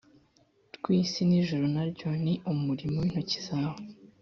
rw isi n ijuru na ryo ni umurimo w intoki zawe